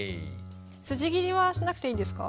筋切りはしなくていいんですか？